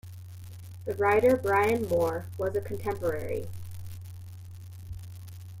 The writer Brian Moore was a contemporary.